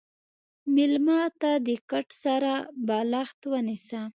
مېلمه ته د کټ سره بالښت ونیسه.